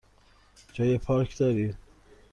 جای پارک دارید؟